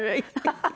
ハハハハ。